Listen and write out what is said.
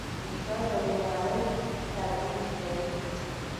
نیکه د ورورولۍ ترویج کوي.